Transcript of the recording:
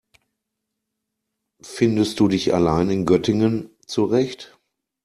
Findest du dich allein in Göttingen zurecht?